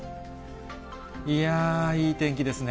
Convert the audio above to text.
いやー、いい天気ですね。